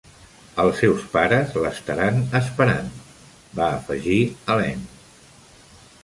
"Els seus pares l"estaran esperant", va afegir Helene.